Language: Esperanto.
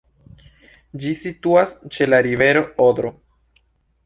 Ĝi situas ĉe la rivero Odro.